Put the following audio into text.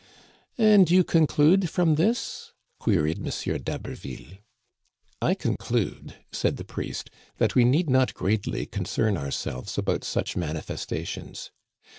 " And you conclude from this —?" queried M. d'Ha berville. I conclude," said the priest, " that we need not greatly concern ourselves about such manifestations.